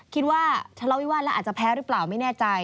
คิดว่าทะเลาวิวาสแล้วอาจจะแพ้หรือเปล่าไม่แน่ใจ